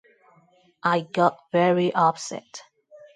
I got very upset.